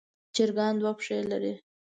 چرګان دوه پښې لري.